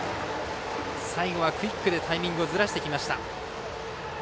最後はクイックでタイミングずらしてきました。